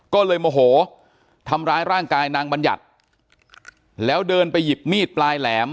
ก็เลยโมโหทำร้ายร่างกายนางบัญญัติแล้วเดินไปหยิบมีดปลายแหลม